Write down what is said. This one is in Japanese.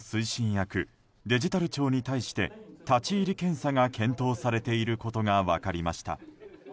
役デジタル庁に対して立ち入り検査が検討されていることが分かりました。